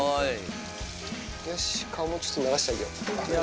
よし、顔もう、ちょっと流してあげよう。